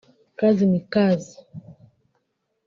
Kazi ni Kazi